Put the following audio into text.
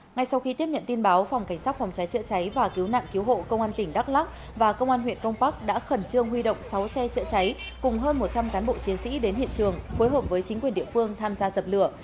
ngay sau khi tiếp nhận tin báo phòng cảnh sát phòng cháy chữa cháy và cứu nạn cứu hộ công an tỉnh đắk lắc và công an huyện crong park đã khẩn trương huy động sáu xe chữa cháy cùng hơn một trăm linh cán bộ chiến sĩ đến hiện trường phối hợp với chính quyền địa phương tham gia dập lửa